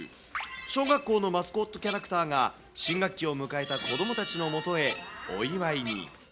小学校のマスコットキャラクターが、新学期を迎えた子どもたちのもとへ、お祝いに。